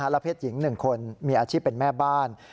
และเพศหญิง๑คนมีอาชีพเป็นแม่บ้าน